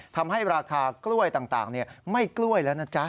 ทำให้ราคากล้วยต่างไม่กล้วยแล้วนะจ๊ะ